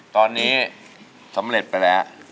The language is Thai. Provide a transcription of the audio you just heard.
ตอนนี้สำเร็จไปแล้ว